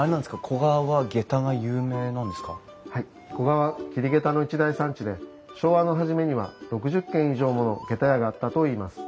古河は桐げたの一大産地で昭和の初めには６０軒以上ものげた屋があったといいます。